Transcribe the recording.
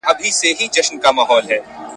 آیا دغه څېړنه به په راتلونکي کي ګټوره وي؟